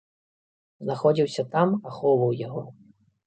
Знаходзіўся там, ахоўваў яго.